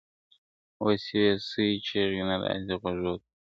اوس يې سوي چـيـغـي نه راځــي غـــــوږو تــــه~